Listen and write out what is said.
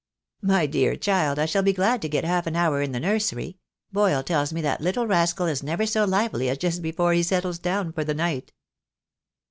"My dear child, I shall be glad to get half an hour in the nursery. Boyle tells me that little rascal is never so lively as just before he settles down for the night."